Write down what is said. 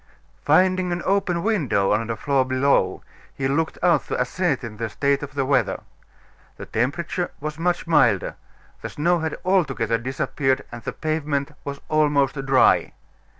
Finding an open window on the floor below, he looked out to ascertain the state of the weather. The temperature was much milder; the snow had altogether disappeared, and the pavement was almost dry.